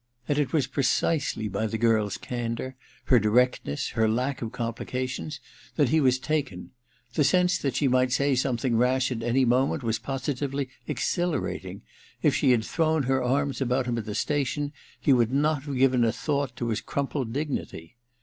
And it was precisely by the girl's candour, her directness, her lack of com plications, that he was taken. The sense that she might say something rash at any moment was positively exhilarating : if she had thrown her arms about him at the station he would not have given a thought to his crumpled dignity.